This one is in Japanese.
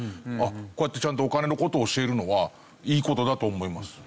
こうやってちゃんとお金の事を教えるのはいい事だと思います。